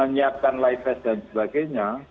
menyiapkan life test dan sebagainya